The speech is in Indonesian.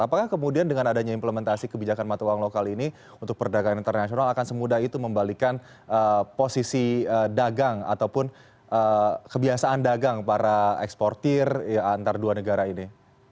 apakah kemudian dengan adanya implementasi kebijakan mata uang lokal ini untuk perdagangan internasional akan semudah itu membalikan posisi dagang ataupun kebiasaan dagang para eksportir antar dua negara ini